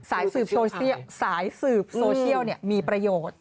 สายสืบโซเชียลมีประโยชน์